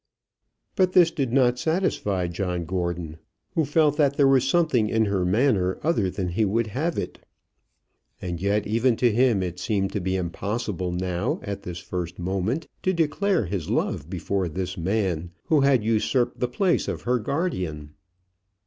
But this did not satisfy John Gordon, who felt that there was something in her manner other than he would have it. And yet even to him it seemed to be impossible now, at this first moment, to declare his love before this man, who had usurped the place of her guardian.